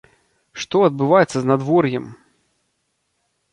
Што адбываецца з надвор'ем?